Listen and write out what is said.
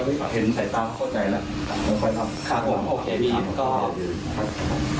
พี่ผมจะสร้างพรรคทั้งหมด